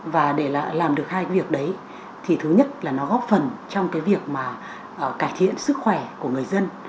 và để làm được hai cái việc đấy thì thứ nhất là nó góp phần trong cái việc mà cải thiện sức khỏe của người dân